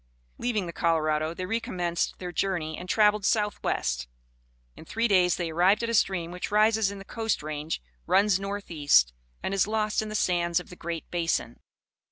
Leaving the Colorado they recommenced their journey and travelled southwest. In three days they arrived at a stream which rises in the coast range, runs northeast and is lost in the sands of the Great Basin.